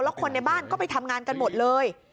แล้วคนในบ้านก็ไปทำงานกันหมดเลย